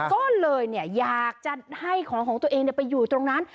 ก็เลยอยากจะให้ของของตัวเองไปอยู่ตรงนั้น